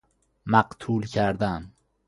مقتول کردن